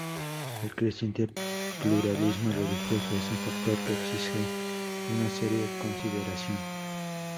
El creciente pluralismo religioso es un factor que exige una seria consideración.